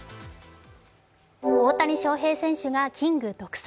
大谷翔平選手がキング独走。